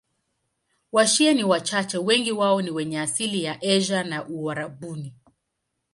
Washia ni wachache, wengi wao ni wenye asili ya Asia au Uarabuni.